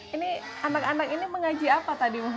ini anak anak ini mengaji apa tadi